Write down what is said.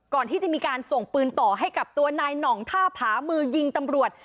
ก่อนที่จะมีการส่งปืนต่อให้กับตัวนายหน่องท่าผามือยิงตำรวจ